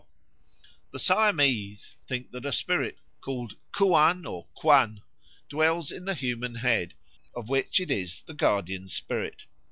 _" The Siamese think that a spirit called khuan or kwun dwells in the human head, of which it is the guardian spirit.